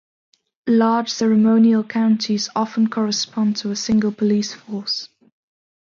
Large ceremonial counties often correspond to a single police force.